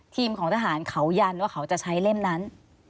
ของทหารเขายันว่าเขาจะใช้เล่มนั้น